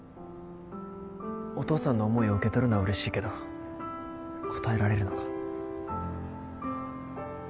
お父さんの思いを受け取るのはうれしいけど応えられるのか。